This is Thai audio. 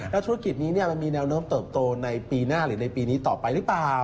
แล้วธุรกิจนี้มันมีแนวโน้มเติบโตในปีหน้าหรือในปีนี้ต่อไปหรือเปล่า